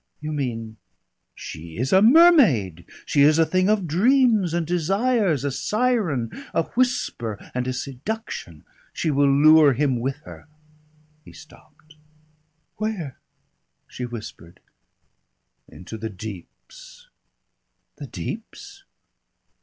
"You mean ?" "She is a mermaid, she is a thing of dreams and desires, a siren, a whisper and a seduction. She will lure him with her " He stopped. "Where?" she whispered. "Into the deeps." "The deeps?"